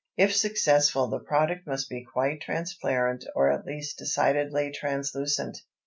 If successful, the product must be quite transparent or at least decidedly translucent.